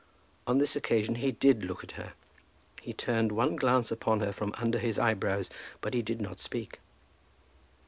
On this occasion he did look at her. He turned one glance upon her from under his eyebrows, but he did not speak.